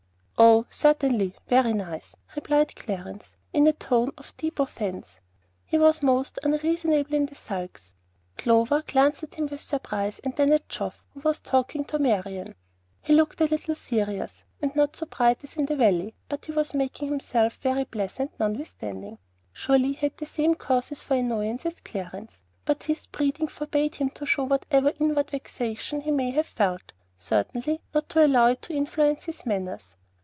"Oh, certainly; very nice," replied Clarence, in a tone of deep offence. He was most unreasonably in the sulks. Clover glanced at him with surprise, and then at Geoff, who was talking to Marian. He looked a little serious, and not so bright as in the valley; but he was making himself very pleasant, notwithstanding. Surely he had the same causes for annoyance as Clarence; but his breeding forbade him to show whatever inward vexation he may have felt, certainly not to allow it to influence his manners.